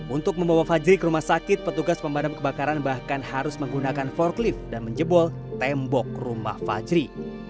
untuk membawa fajri ke rumah sakit petugas pemadam kebakaran bahkan harus menggunakan forklift dan menjebol tembok rumah fajri